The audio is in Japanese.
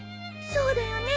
そうだよね。